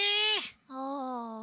ああ。